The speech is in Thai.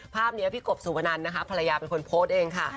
ภาพนี้พี่กบสุพนันนะคะภรรยาเป็นคนโพสต์เองค่ะ